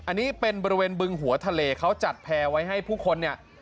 อันนี้เป็นบริเวณบึงหัวทะเลเขาจัดแพรไว้ให้ผู้คนเนี่ย